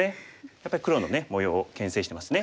やっぱり黒の模様をけん制してますね。